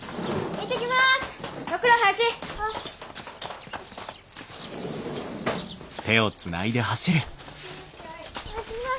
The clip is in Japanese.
行ってきます。